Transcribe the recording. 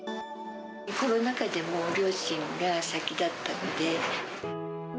コロナ禍で両親が先立ったので。